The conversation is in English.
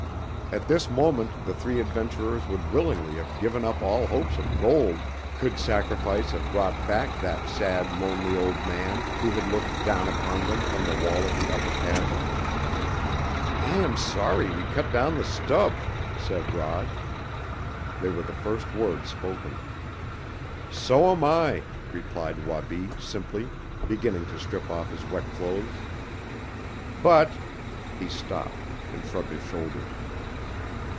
At this moment the three adventurers would willingly have given up all hopes of gold could sacrifice have brought back that sad, lonely old man who had looked down upon them from the wall of the upper chasm. "I am sorry we cut down the stub," said Rod. They were the first words spoken. "So am I," replied Wabi simply, beginning to strip off his wet clothes. "But " He stopped, and shrugged his shoulders.